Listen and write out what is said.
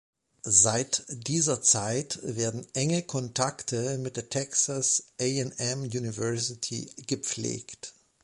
Seit dieser Zeit werden enge Kontakte mit der Texas A&M University gepflegt.